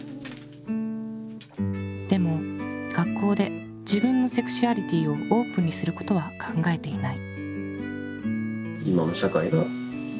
でも学校で自分のセクシュアリティーをオープンにすることは考えていない。